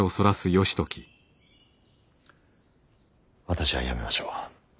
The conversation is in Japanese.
私はやめましょう。